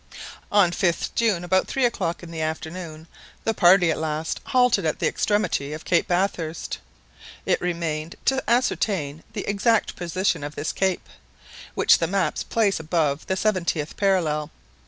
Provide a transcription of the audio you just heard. On the 5th June, about three o'clock in the afternoon, the party at last halted at the extremity of Cape Bathurst. It remained to ascertain the exact position of this cape, which the maps place above the seventieth parallel.